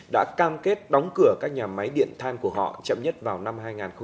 đã cam kết đóng cửa các nhà máy điện than của họ chậm nhất vào năm hai nghìn hai mươi